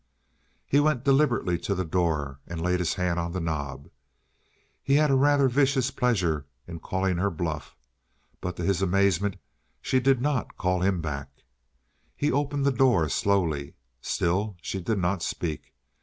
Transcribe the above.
He went deliberately to the door and laid his hand on the knob. He had a rather vicious pleasure in calling her bluff, but to his amazement she did not call him back. He opened the door slowly. Still she did not speak.